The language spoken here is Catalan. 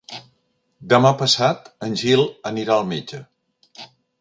Demà passat en Gil anirà al metge.